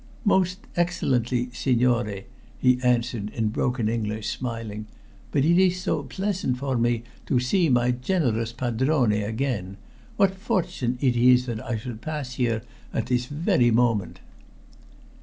"Most excellently, signore," he answered in broken English, smiling. "But it is so pleasant for me to see my generous padrone again. What fortune it is that I should pass here at this very moment!"